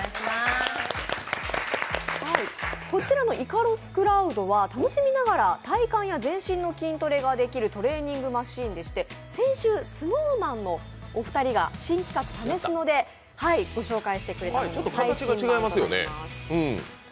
こちらのイカロスクラウドは楽しみながら体幹や全身のトレーニングマシーンでして、先週ＳｎｏｗＭａｎのお二人が新企画「＃ためスノ」でご紹介してくれたものの最新版でございます。